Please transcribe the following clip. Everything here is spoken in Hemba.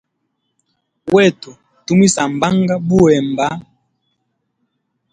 Wetu tumwisambanga buhemba.